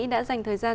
đã dành thời gian